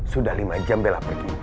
sudah lima jam bela pergi